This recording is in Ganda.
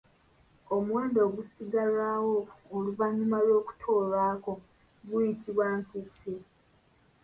Omuwendo ogusigalawo oluvannyuma lwókutoolwako guyitibwa Nfissi.